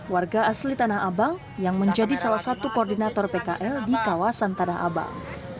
warga asli tanah abang yang menjadi salah satu koordinator pkl di kawasan tanah abang